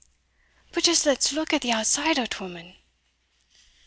"But just let's look at the outside o't, woman."